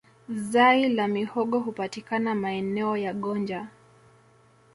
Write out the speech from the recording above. Zai la mihogo hupatikana maeneo ya gonja